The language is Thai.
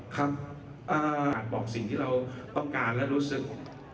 ครับบอกสิ่งที่เราต้องการและรู้สึก